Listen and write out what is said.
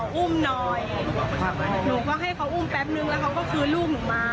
อุ้มหน่อยหนูก็ให้เขาอุ้มแป๊บนึงแล้วเขาก็คืนลูกหนูมา